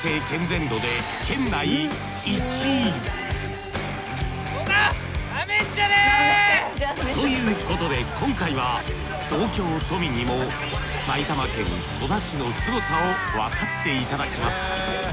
健全度で県内１位ということで今回は東京都民にも埼玉県戸田市のすごさをわかっていただきます。